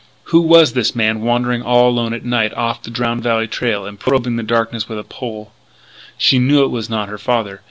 Who was this man wandering all alone at night off the Drowned Valley trail and probing the darkness with a pole? She knew it was not her father.